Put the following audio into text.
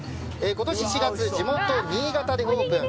今年４月、地元・新潟でオープン。